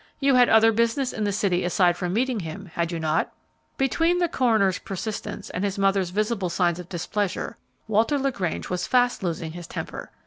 "You had other business in the city aside from meeting him, had you not?" Between the coroner's persistence and his mother's visible signs of displeasure, Walter LaGrange was fast losing his temper.